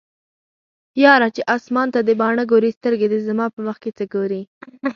یاره چې اسمان ته دې باڼه ګوري سترګې دې زما په مخکې څه ګوري